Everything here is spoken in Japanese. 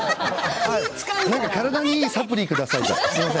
体にいいサプリをください。